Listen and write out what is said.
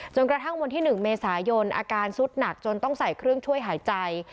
กระทั่งวันที่๑เมษายนอาการสุดหนักจนต้องใส่เครื่องช่วยหายใจ